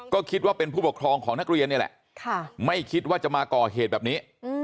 ก็คิดว่าเป็นผู้ปกครองของนักเรียนนี่แหละไม่คิดว่าจะมาก่อเหตุแบบนี้